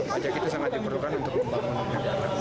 pajak itu sangat diperlukan untuk membangun negara